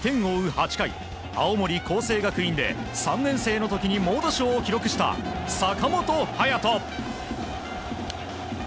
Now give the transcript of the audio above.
８回青森・光星学院で３年生の時に猛打賞を記録した坂本勇人。